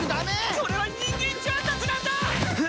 それは人間ちゅわんたちなんだ！